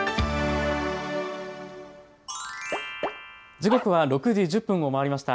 時刻は６時１０分を回りました。